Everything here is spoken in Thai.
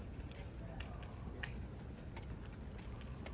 ผมไม่กล้าด้วยผมไม่กล้าด้วยผมไม่กล้าด้วย